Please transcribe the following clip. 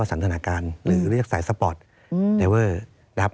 อันนั้นคือสายสปอร์ตนะครับ